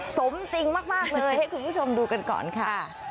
สมจริงมากเลยให้คุณผู้ชมดูกันก่อนค่ะ